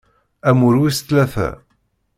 Amur wis tlata.